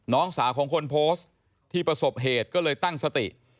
น้องสาวของคนโพสต์ที่ประสบเหตุก็เลยตั้งสติ